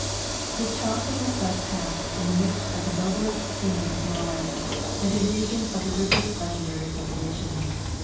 His childhood was thus passed in the midst of the noblest scenery of Norway, and in regions of the richest legendary association.